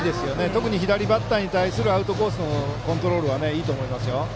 特に左バッターに対するアウトコースのコントロールはいいと思いますよ。